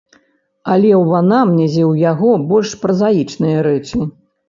Але ў анамнезе ў яго больш празаічныя рэчы.